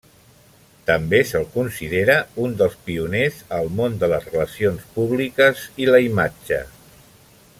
També se'l considera un dels pioners al món de les relacions públiques i la imatge.